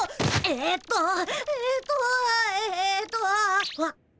えっとえっとえっとあっ。